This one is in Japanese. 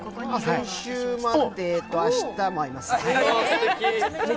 先週も会って明日も会います。